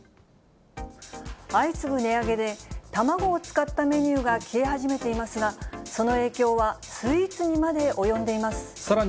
相次ぐ値上げで、卵を使ったメニューが消え始めていますが、その影響はスイーツにさらに